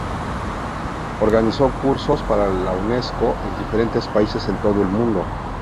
Organizó cursos para la Unesco en diferentes países en todo el mundo.